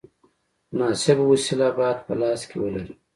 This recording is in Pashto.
مناسبه وسیله باید په لاس کې ولرې.